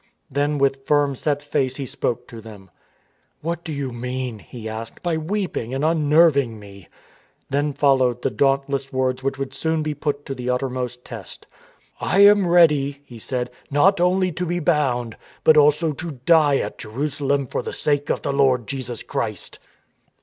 Then with firm set face he spoke to them. " What do you mean," he asked, *' by weeping and unnerving me?" Then followed the dauntless words which would soon be put to the uttermost test. " I am ready," he said, " not only to be bound, but also to die at Jerusalem for the sake of the Lord Jesus Christ."